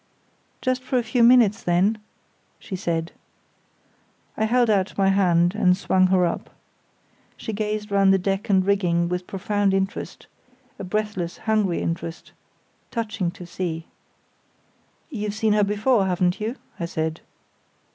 "Just for a few minutes, then," she said. I held out my hand and swung her up. She gazed round the deck and rigging with profound interest—a breathless, hungry interest—touching to see. "You've seen her before, haven't you?" I said.